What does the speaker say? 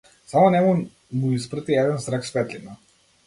Само нему му испрати еден зрак светлина.